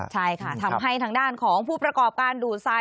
ใช่ค่ะทำให้ทางด้านของผู้ประกอบการดูดทราย